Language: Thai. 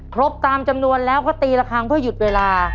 ครบตามจำนวนแล้วก็ตีละครั้งเพื่อหยุดเวลา